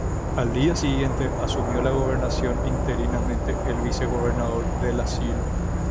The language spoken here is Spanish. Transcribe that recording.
Al día siguiente asumió la gobernación interinamente el vicegobernador De la Silva.